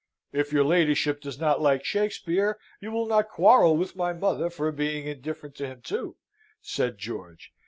"If your ladyship does not like Shakspeare, you will not quarrel with my mother for being indifferent to him, too," said George.